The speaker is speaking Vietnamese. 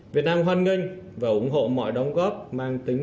việt nam hoan nghênh và ủng hộ mọi đóng góp mang tính